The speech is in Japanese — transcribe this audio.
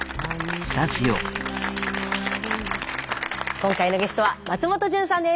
今回のゲストは松本潤さんです。